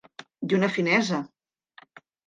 I una finesa...